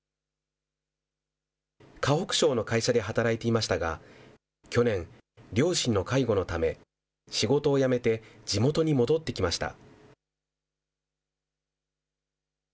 河北省の会社で働いていましたが、去年、両親の介護のため、仕事を辞めて地元に戻ってきました。